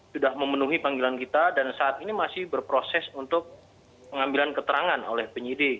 sudah memenuhi panggilan kita dan saat ini masih berproses untuk pengambilan keterangan oleh penyidik